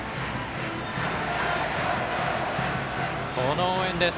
この応援です。